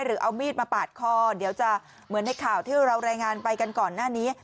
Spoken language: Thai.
หรือเอามีดมาปาดคอเดี๋ยวจะเหมือนในข่าวที่เรารายงานไปกันก่อนหน้านี้